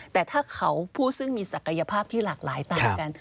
แต่ถ้าเขาผู้ซึ่งมีศักยภาพที่หลากหลายต่างกัน